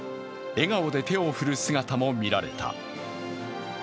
笑顔で手を振る姿も見られた。